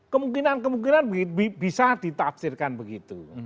kemungkinan kemungkinan bisa ditafsirkan begitu